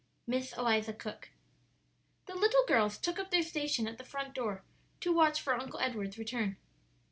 '" Miss Eliza Cook. The little girls took up their station at the front door to watch for "Uncle Edward's" return.